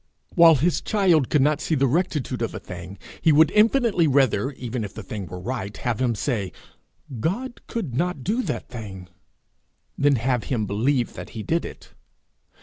While his child could not see the rectitude of a thing, he would infinitely rather, even if the thing were right, have him say, God could not do that thing, than have him believe that he did it.